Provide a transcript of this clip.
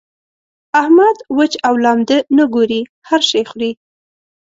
احمد؛ وچ او لانده نه ګوري؛ هر شی خوري.